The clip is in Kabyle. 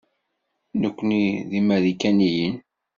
Nekkni ur d Imarikaniyen.